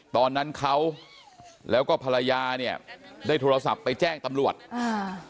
ตอนนั้นเขาแล้วก็ภรรยาเนี่ยได้โทรศัพท์ไปแจ้งตำรวจอ่า